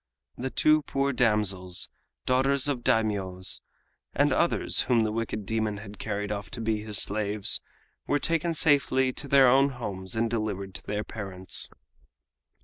The two poor damsels, daughters of Daimios, and others whom the wicked demon had carried off to be his slaves, were taken safely to their own homes and delivered to their parents.